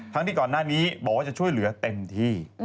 ที่ก่อนหน้านี้บอกว่าจะช่วยเหลือเต็มที่